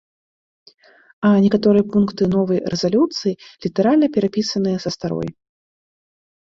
А некаторыя пункты новай рэзалюцыі літаральна перапісаныя са старой.